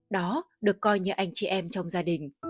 đó được coi như anh chị em trong gia đình